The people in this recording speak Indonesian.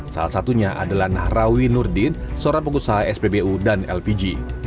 salah satunya adalah nahrawi nurdin seorang pengusaha spbu dan lpg